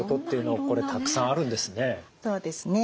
そうですね。